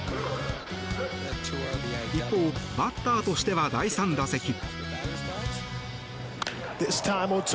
一方、バッターとしては第３打席。